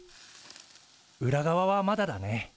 裏側はまだだね。